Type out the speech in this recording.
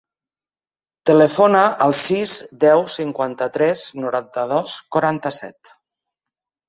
Telefona al sis, deu, cinquanta-tres, noranta-dos, quaranta-set.